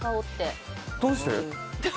どうして？